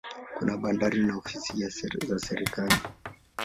Kuna bandari na ofisi za serikali.